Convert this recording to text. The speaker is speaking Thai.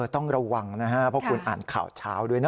ต้องระวังนะครับเพราะคุณอ่านข่าวเช้าด้วยนะ